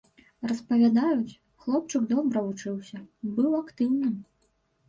Распавядаюць, хлопчык добра вучыўся, быў актыўным.